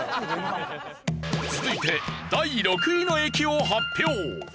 続いて第６位の駅を発表。